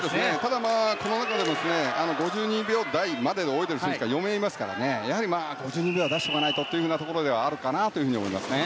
ただ、この中でも５２秒台までで泳ぐ選手が４名いますからやはり５２秒出しておかないとというところかなと思いますね。